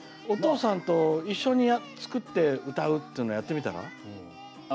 お父さんと一緒に作って歌うっていうのやってみたら？